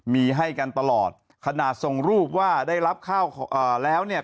มีให้กันตลอดขนาดส่งรูปว่าได้รับข้าวแล้วเนี่ย